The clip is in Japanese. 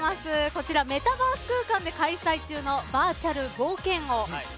こちらメタバース空間で開催中のバーチャル冒険王。